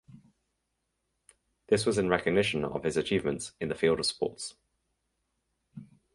This was in recognition of his achievements in the field of sports.